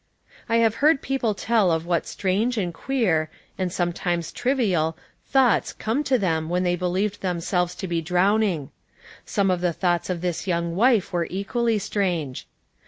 I have heard people tell of what strange and queer, and sometimes trivial, thoughts came to them when the}' believed themselves to be drowning. Some of the thoughts of this young wife were equally strange.